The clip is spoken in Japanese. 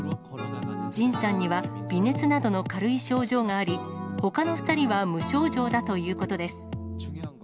ＪＩＮさんには微熱などの軽い症状があり、ほかの２人は無症状だということです。